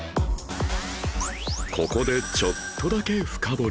ここでちょっとだけ深掘り